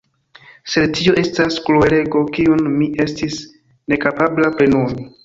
Sed tio estas kruelego, kiun mi estis nekapabla plenumi.